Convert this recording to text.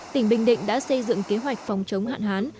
tỉnh bình định đã xây dựng kế hoạch phòng chống hạn hán